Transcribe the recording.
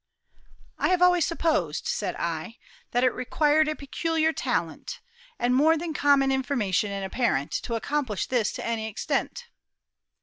"I have always supposed," said I, "that it required a peculiar talent, and more than common information in a parent, to accomplish this to any extent."